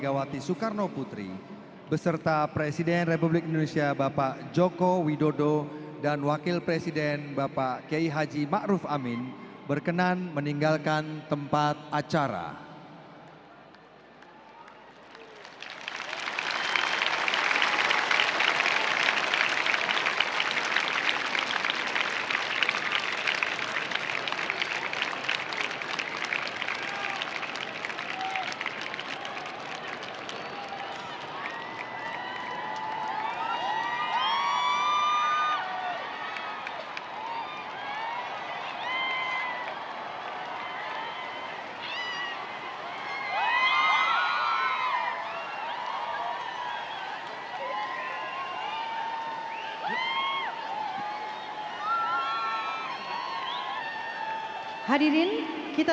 bapak soekarno putri beserta presiden republik indonesia bapak joko widodo dan wakil presiden bapak kiai haji ma'ruf amin berkenan meninggalkan tempat acara